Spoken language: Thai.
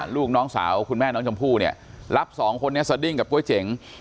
ลูกน้องสาวคุณแม่น้องชมพู่เนี่ยรับสองคนนี้สดิ้งกับก๋วยเจ๋ง